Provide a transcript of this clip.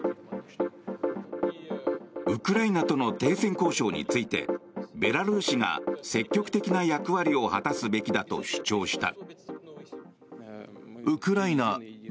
ウクライナとの停戦交渉についてベラルーシが積極的な役割を果たすべきだと主張した。